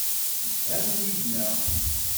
Msefhamen yid-neɣ.